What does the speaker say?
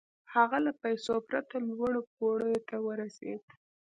هغه له پيسو پرته لوړو پوړيو ته ورسېد.